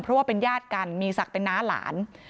เพราะว่าเป็นญาติกันมีศักดิ์เป็นน้าหลาน